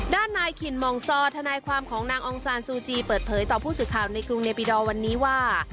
ด้านนายขินมองซอทนายความของนางองซานซูจีเปิดเผยต่อผู้สื่อข่าวในกรุงเนปิดอร์วันนี้ว่า